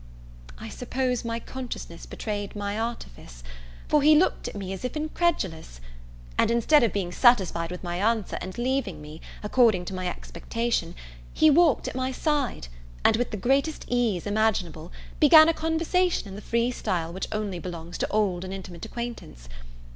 I suppose my consciousness betrayed my artifice, for he looked at me as if incredulous; and, instead of being satisfied with my answer and leaving me, according to my expectation, he walked at my side, and, with the greatest ease imaginable, began a conversation in the free style which only belongs to old and intimate acquaintance.